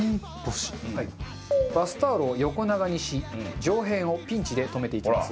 バスタオルを横長にし上辺をピンチでとめていきます。